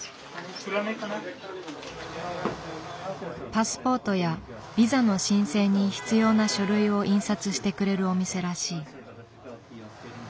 パスポートやビザの申請に必要な書類を印刷してくれるお店らしい。